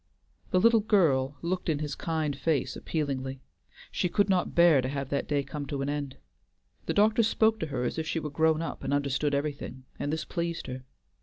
The little girl looked in his kind face appealingly; she could not bear to have the day come to an end. The doctor spoke to her as if she were grown up and understood everything, and this pleased her.